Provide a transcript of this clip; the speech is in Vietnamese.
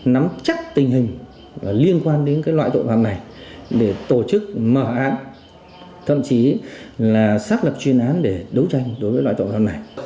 nắm chắc tình hình liên quan đến loại tội phạm này để tổ chức mở án thậm chí là xác lập chuyên án để đấu tranh đối với loại tội phạm này